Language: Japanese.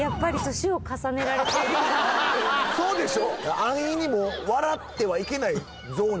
そうでしょ？